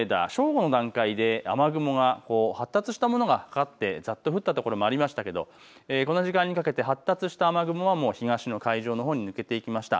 雨雲が発達したものがあってざっと降った所もありましたけれどもこの時間にかけて発達した雨雲は東の海上に抜けていきました。